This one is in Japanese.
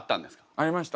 ありました。